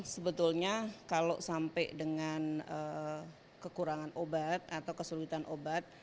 sebetulnya kalau sampai dengan kekurangan obat atau kesulitan obat